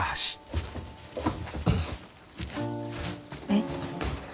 えっ？